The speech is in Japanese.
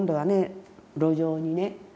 路上にね